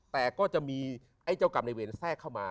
แต่ก็จะมีไอ้เจ้ากรรมในเวรแทรกเข้ามา